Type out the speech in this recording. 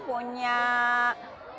nah ini lurah pasar